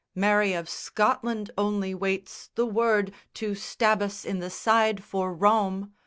Mary of Scotland only waits The word to stab us in the side for Rome.